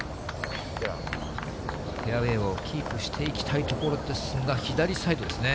フェアウエーをキープしていきたいところですが、左サイドですね。